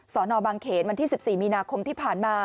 สนบางเขนวันที่๑๔มีนาคมที่ผ่านมา